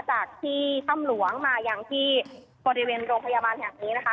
จากที่ถ้ำหลวงมาอย่างที่บริเวณโรงพยาบาลแห่งนี้นะคะ